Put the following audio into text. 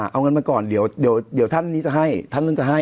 เอาเงินมาก่อนเดี๋ยวท่านนี้จะให้ท่านนู้นจะให้